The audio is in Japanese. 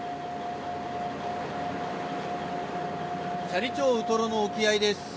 斜里町ウトロの沖合です。